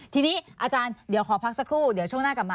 ทีนี้อาจารย์เดี๋ยวขอพักสักครู่เดี๋ยวช่วงหน้ากลับมา